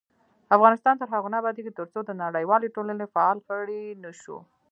افغانستان تر هغو نه ابادیږي، ترڅو د نړیوالې ټولنې فعال غړي نشو.